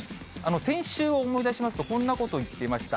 先週を思い出しますと、こんなこと言ってました。